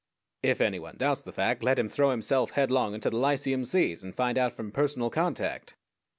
If any one doubts the fact, let him throw himself headlong into the Lyceum Seas and find out from personal contact.